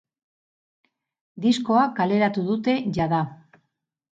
Diskoa kaleratu dute jada.